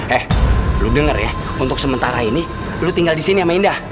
eh lu denger ya untuk sementara ini lu tinggal disini sama indah